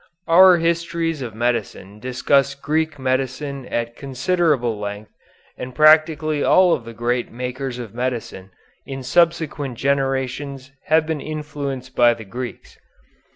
Our histories of medicine discuss Greek medicine at considerable length and practically all of the great makers of medicine in subsequent generations have been influenced by the Greeks.